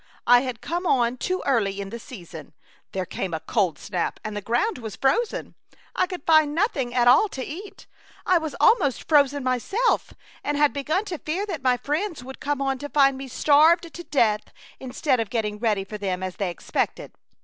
I had come on too early in the season. There came a cold snap, and the ground was frozen. I could find nothing at all to eat. I was almost frozen myself, and had begun to fear that my friends would A Chautauqua Idyl. 8i come on to find me starved to death instead of getting ready for them as they expected.